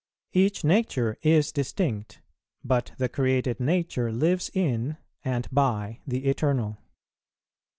Each Nature is distinct, but the created Nature lives in and by the Eternal.